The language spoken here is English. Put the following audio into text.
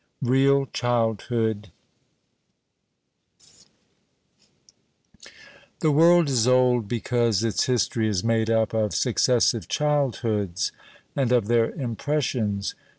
REAL CHILDHOOD The world is old because its history is made up of successive childhoods and of their impressions.